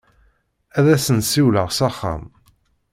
Ad as-n-siwleɣ s axxam.